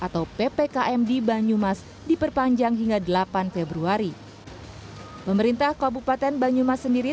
atau ppkm di banyumas diperpanjang hingga delapan februari pemerintah kabupaten banyumas sendiri